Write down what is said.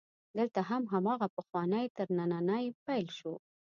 دلته هم هماغه پخوانی ترننی پیل شو.